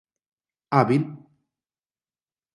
hábil